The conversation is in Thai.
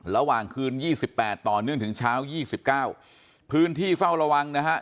ระหว่างคืน๒๘ต่อเนื่องถึงเช้า๒๙พื้นที่เฝ้าระวังนะฮะ